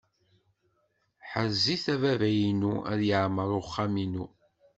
Ḥrez-it a bab-inu, ad yeɛmeṛ uxxam-inu.